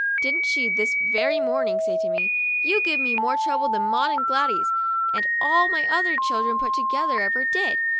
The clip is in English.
Didn't she, this very morning, say to me :" You give me more trouble than Maud and Gladys and all my other chil dren put together ever did!